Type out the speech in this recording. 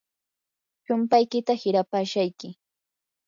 chumpaykita hirapashayki.